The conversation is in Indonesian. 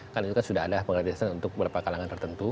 kan itu kan sudah ada pengertiasan untuk beberapa kalangan tertentu